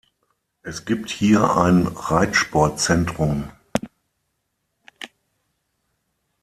Es gibt hier ein Reitsport-Zentrum.